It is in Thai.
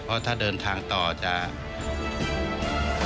ก็มีแหล่งน้ำที่จะพักอาศัยได้